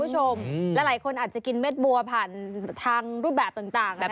หลายคนอาจจะกินเม็ดบัวผ่านธางรูปแบบต่าง